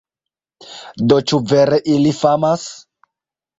Do ĉu vere ili famas?